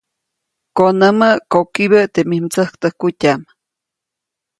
Konämä, kokibä teʼ mij mdsäktäjkutyaʼm.